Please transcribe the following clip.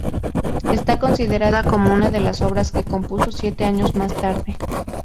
Está considerada como una de las obras que compuso siete años más tarde.